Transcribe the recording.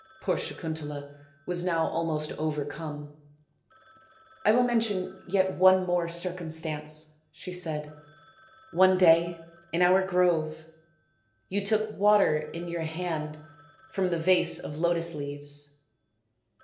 Poor Sakuntala was now almost overcome. " I will mention yet one more circumstance," she said. " One day in our grove you took water in your hand from the vase of lotus leaves."